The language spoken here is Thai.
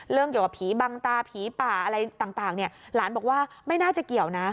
เกี่ยวกับผีบังตาผีป่าอะไรต่างเนี่ยหลานบอกว่าไม่น่าจะเกี่ยวนะ